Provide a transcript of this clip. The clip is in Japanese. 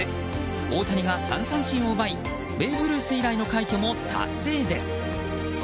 大谷が３三振を奪いベーブ・ルース以来の快挙も達成です。